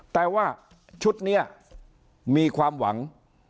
แต่ว่าชุดนี้มีความหวัง